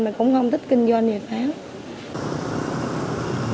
mà cũng không thích kinh doanh